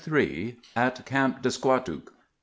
AT CAMP DE SQUATOOK.